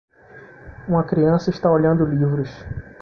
Uma criança está olhando livros.